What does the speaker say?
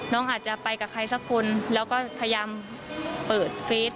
น้องอาจจะไปกับใครสักคนแล้วก็พยายามเปิดเฟส